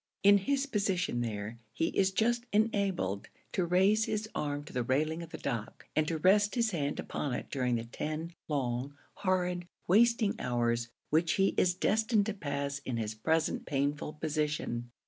In his position there, he is just enabled to raise his arm to the railing of the dock, and to rest his hand upon it during the ten long, horrid, wasting hours which he is destined to pass in his present painful position.